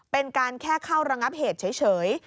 เป็นการแค่เข้าระงับเหตุเฉย